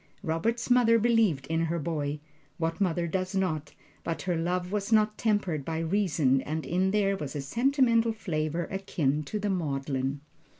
Robert's mother believed in her boy what mother does not? But her love was not tempered by reason, and in it there was a sentimental flavor akin to the maudlin.